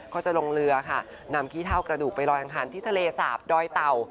ก็จะลงเรือค่ะนำขี้เท่ากระดูกไปลอยอังคารที่ทะเลสาบดอยเต่า